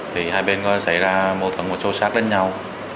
thì hai bên có xảy ra một thằng một số sát đến nhau